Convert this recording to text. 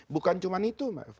bukan cuma itu